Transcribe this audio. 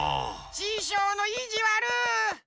ししょうのいじわる！